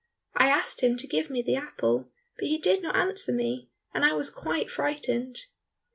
I asked him to give me the apple, but he did not answer me, and I was quite frightened."